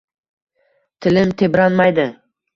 Tilim tebranmaydi